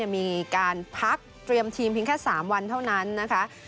มีการพักเตรียมทีมเพียงแค่๓วันเท่านั้นนะคะ